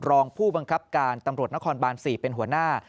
รองผู้บังคับการตำรวจนครบาน๔เป็นหัวหน้า